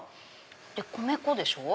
で米粉でしょ。